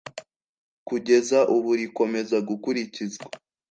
kugeza ubu rikomeza gukurikizwa